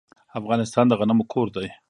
افغانستان د غنمو کور دی.